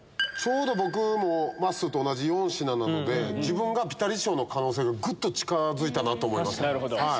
僕もまっすーと同じ４品なので自分がピタリ賞の可能性がぐっと近づいたなと思います。